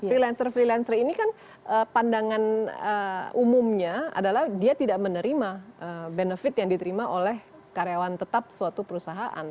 freelancer freelancer ini kan pandangan umumnya adalah dia tidak menerima benefit yang diterima oleh karyawan tetap suatu perusahaan